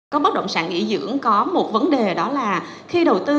có bất động sản nghỉ dưỡng có một vấn đề đó là khi đầu tư